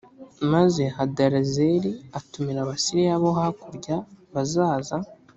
maze hadarezeri atumira abasiriya bo hakurya bazaza